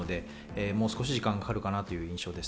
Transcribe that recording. もう少し時間がかかるかなという印象です。